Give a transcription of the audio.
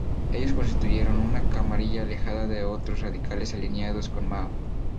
Ellos constituyeron una camarilla alejada de los otros radicales alineados con Mao.